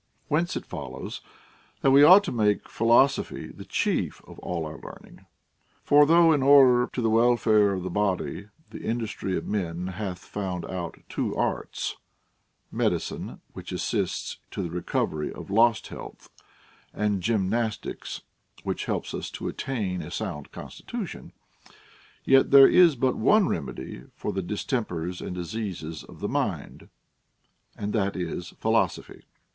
\Vhence it follows, that we ought to make philosophy the chief of all our learning. For though, in order to the wel fare of the body, the industry of men hath found out two arts, — medicine, which assists to the recovery of lost health and gymnastics, Avhich help us to attain a sound constitu tion, — yet there is but one remedy for the distempers and diseases of the mind, and that is philosophy.